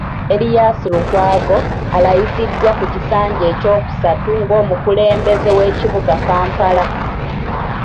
Erias Lukwago, alayiziddwa ku kisanja ekyokusatu ng’omukulembeze w’ekibuga Kampala.